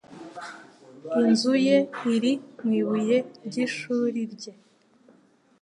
Inzu ye iri mu ibuye ry’ishuri rye.